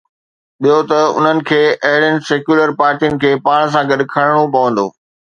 ٻيو ته انهن کي اهڙين سيڪيولر پارٽين کي پاڻ سان گڏ کڻڻو پوندو.